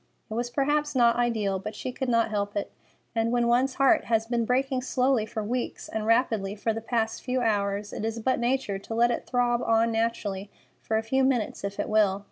It was perhaps not ideal, but she could not help it, and when one's heart has been breaking slowly for weeks and rapidly for the last few hours, it is but nature to let it throb on naturally for a few minutes if it will.